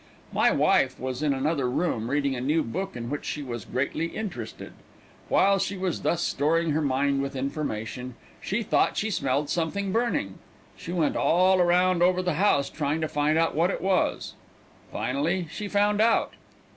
My wife was in another room reading a new book in which she was greatly interested. While she was thus storing her mind with information, she thought she smelled something burning. She went all around over the house trying to find out what it was. Finally she found out.